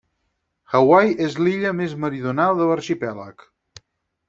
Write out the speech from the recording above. Hawaii és l'illa més meridional de l'arxipèlag.